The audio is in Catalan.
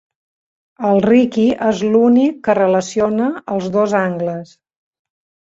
El Riqui és l'únic que relaciona els dos angles.